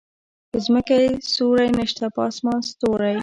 په ځمکه يې سیوری نشته په اسمان ستوری